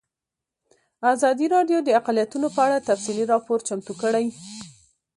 ازادي راډیو د اقلیتونه په اړه تفصیلي راپور چمتو کړی.